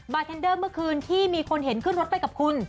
เทนเดอร์เมื่อคืนที่มีคนเห็นขึ้นรถไปกับคุณ